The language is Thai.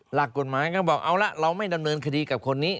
หลักกฎหมายก็บอกเอาละเราไม่ดำเนินคดีกับคนนี้